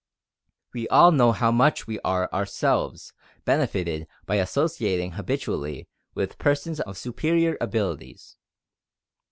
We all know how much we are ourselves benefited by associating habitually with persons of superior abilities.